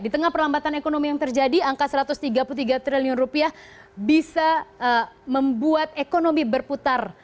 di tengah perlambatan ekonomi yang terjadi angka satu ratus tiga puluh tiga triliun rupiah bisa membuat ekonomi berputar